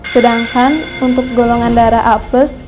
sedangkan untuk golongan darah a plus